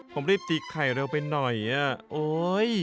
ผมรีบจิกไข่เร็วไปหน่อยอ่ะโอ๊ย